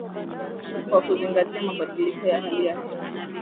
kwa kuzingatia mabadiliko ya hali ya hewa